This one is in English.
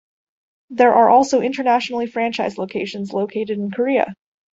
There are also internationally franchised locations, located in Korea.